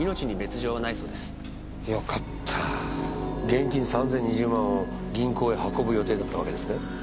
現金３０２０万を銀行へ運ぶ予定だったわけですね？